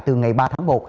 từ ngày ba tháng một